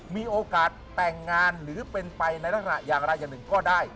มีโอกาสแต่งงานหรือเป็นไปในลักษณะอย่างไรอย่างหนึ่งก็ได้